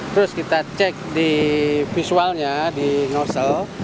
terus kita cek di visualnya di nosel